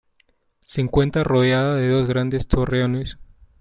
Se encuentra rodeada de dos grandes torreones.